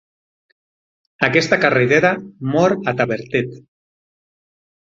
Aquesta carretera mor a Tavertet.